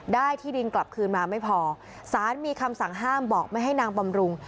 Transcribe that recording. ได้ที่ดินกลับคืนมาไม่พอสารมีคำสั่งห้ามบอกไม่ให้นางบำรุง